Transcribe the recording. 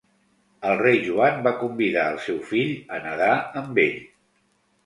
El rei Joan va convidar el seu fill a nedar amb ell.